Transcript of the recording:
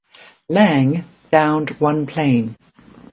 "Lang" downed one plane.